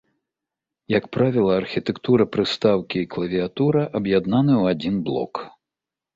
Як правіла, архітэктура прыстаўкі і клавіятура аб'яднаны ў адзін блок.